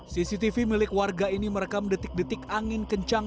cctv milik warga ini merekam detik detik angin kencang